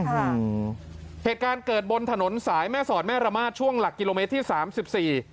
เหตุการณ์เกิดบนถนนสายแม่สอดแม่ระมาทช่วงหลักกิโลเมตรที่สามสิบสี่